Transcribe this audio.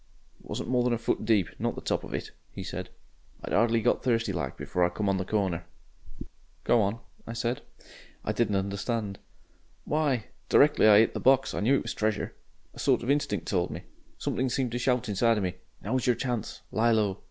"It wasn't more than a foot deep, not the top of it," he said. "I'd 'ardly got thirsty like, before I come on the corner." "Go on," I said. "I didn't understand." "Why! Directly I 'it the box I knew it was treasure. A sort of instinct told me. Something seemed to shout inside of me 'Now's your chance lie low.'